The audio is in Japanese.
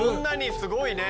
すごいね。